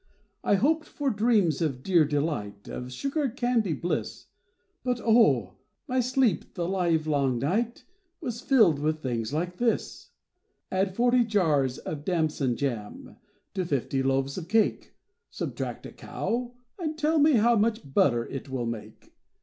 I hoped for dreams of dear delight, Of sugar candy bliss; But oh! my sleep, the livelong night, Was filled with things like this. Add forty jars of damson jam To fifty loaves of cake, Subtract a cow, and tell me how Much butter it will make.